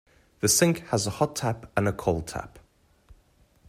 The sink has a hot tap and a cold tap